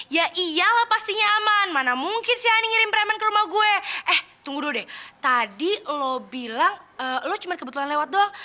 ya iyalah pastinya aman mana mungkin si ani ngirim preman ke rumah gue eh tunggu dulu deh tadi lo bilang lo cuma kebetulan lewat doang